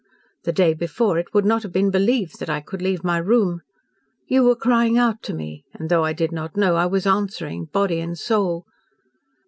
The day before it would not have been believed that I could leave my room. You were crying out to me, and though I did not know, I was answering, body and soul.